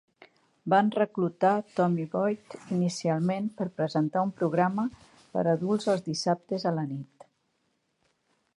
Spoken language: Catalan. Van reclutar Tommy Boyd, inicialment per presentar un programa per a adults els dissabtes a la nit.